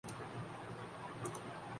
سختی تو دیوبندی اسلام کا حصہ تھا۔